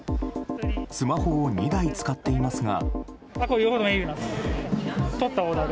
スマホを２台使っていますが。